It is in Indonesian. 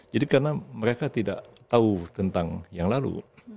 jadi karena mereka tidak tahu tentang yang lalu